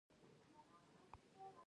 کانديد اکاډميسن عطايي د علمي نوښت پلوي و.